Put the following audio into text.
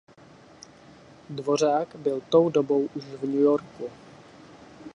Dvořák byl tou dobou už v New Yorku.